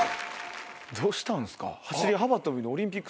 どうしたんすか？